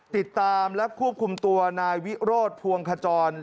ติดตามและควบคุมตัวนายวิโรธภวงขจร